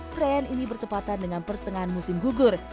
perayaan ini bertepatan dengan pertengahan musim gugur